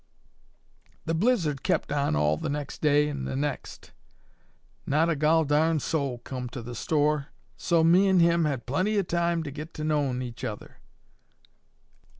"The blizzard kep' on all the next day an' the next. Not a gol darned soul come to the store, so me'n' and him had plenty o' time to get to knowin' each other.